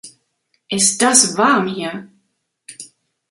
Ist das warm hier!